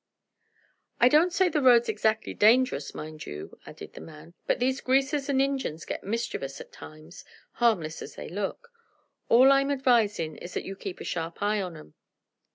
"I don't say the road's exactly dangerous, mind you," added the man, "but these greasers and Injuns get mischievous, at times, harmless as they look. All I'm advisin' is that you keep a sharp eye on 'em."